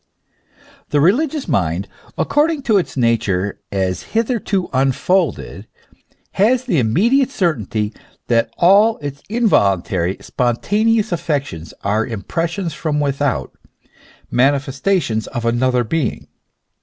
205 The religious mind, according to its nature as hitherto un folded, has the immediate certainty that all its involuntary, spontaneous affections are impressions from without, manifes tations of another being.